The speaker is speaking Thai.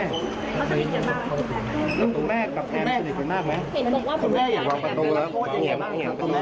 ประตุแม่กับแทนสนิทกันมากไหม